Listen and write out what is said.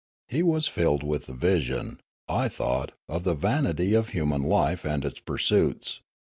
He was filled with the \nsion, I thought, of the vanit}' of human life and its pursuits.